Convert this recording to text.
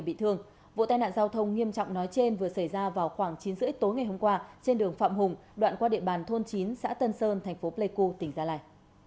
bị thương vụ tai nạn giao thông nghiêm trọng nói trên vừa xảy ra vào khoảng chín h ba mươi tối ngày hôm qua trên đường phạm hùng đoạn qua địa bàn thôn chín xã tân sơn thành phố pleiku tỉnh gia lai